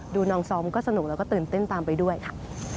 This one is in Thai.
ดูน้องซ้อมก็สนุกแล้วก็ตื่นเต้นตามไปด้วยค่ะ